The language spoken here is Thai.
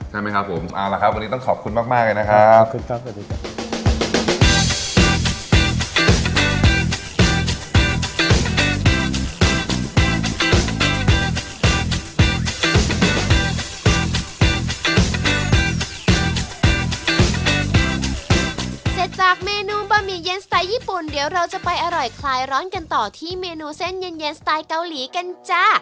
เสร็จทำเมนูบะเมียเย็นสไตล์ญี่ปุ่นเดี๋ยวเราจะไปอร่อยคลายร้อนกันต่อที่เมนูเส้นเย็นเย็นสไตล์เกาหลีกันจ๊ะ